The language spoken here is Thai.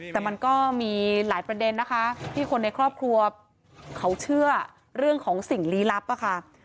แต่มันก็มีหลายประเด็นนะคะที่คนในครอบครัวเขาเชื่อเรื่องของสิ่งลี้ลับอะค่ะ